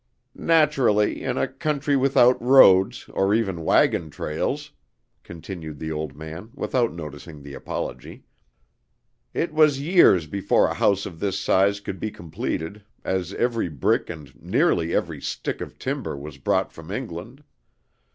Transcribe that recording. "Naturally, in a country without roads, or even wagon trails," continued the old man, without noticing the apology, "it was years before a house of this size could be completed, as every brick and nearly every stick of timber was brought from England.